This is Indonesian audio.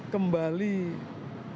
kembali dalam tanda petik